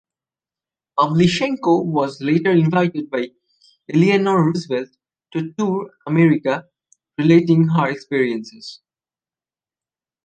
Pavlichenko was later invited by Eleanor Roosevelt to tour America relating her experiences.